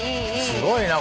すごいな。